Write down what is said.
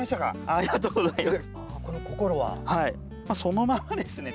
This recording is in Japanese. ありがとうございます。